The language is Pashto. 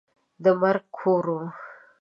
د مرګ کور وو.